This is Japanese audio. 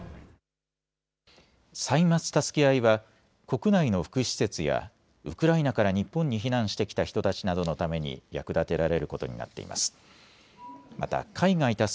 歳末たすけあいは国内の福祉施設やウクライナから日本に避難してきた人たちなどのために役立てられることになっています。